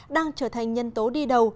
đang trở thành nhân tố đi đầu